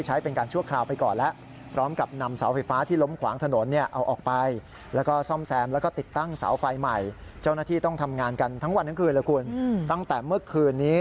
เหมือนกันทั้งวันทั้งคืนตั้งแต่เมื่อคืนนี้